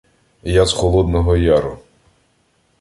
— Я з Холодного Яру.